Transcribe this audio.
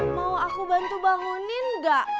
mau aku bantu bangunin gak